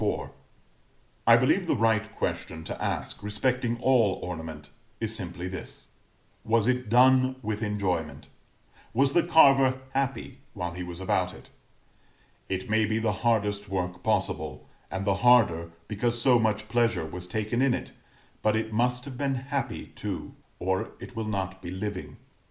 I believe the right question to ask, respecting all ornament, is simply this: Was it done with enjoyment was the carver happy while he was about it? It may be the hardest work possible, and the harder because so much pleasure was taken in it; but it must have been happy too, or it will not be living.